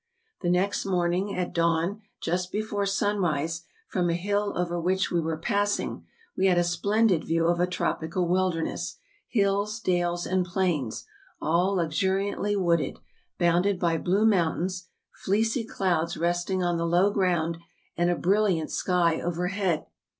The next morning at dawn, just before sunrise, from a hill over which we were passing, we had a splendid view of a tropical wilderness, hills, dales, and plains, all luxuriantly wooded, bounded by blue mountains, fleecy clouds resting on the low ground, and a bril¬ liant sky overhead.